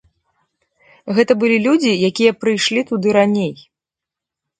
Гэта былі людзі, якія прыйшлі туды раней.